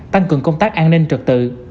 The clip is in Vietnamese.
tăng cường công tác an ninh trật tự